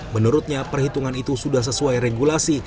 menurutnya perhitungan itu sudah sesuai regulasi